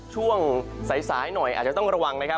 ช่วงสายหน่อยอาจจะต้องระวังนะครับ